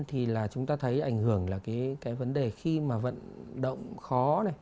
thì là chúng ta thấy ảnh hưởng là cái vấn đề khi mà vận động khó này